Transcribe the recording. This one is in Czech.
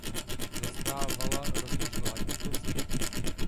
Zastávala rovněž vládní posty.